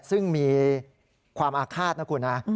ซึ่งมีความอาฆาตนะคุณนะ